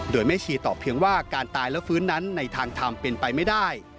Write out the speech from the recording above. โดยแม่ชีตอบเพียงว่าการตายและฟื้นนั้นในทางทำเป็นไปไม่ได้